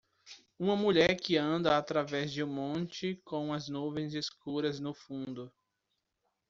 Uma mulher que anda através de um monte com as nuvens escuras no fundo.